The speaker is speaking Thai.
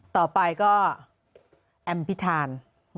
ต่อไปก็แอมพิธาน